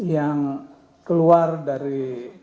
yang keluar dari